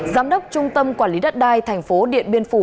giám đốc trung tâm quản lý đất đai tp điện biên phủ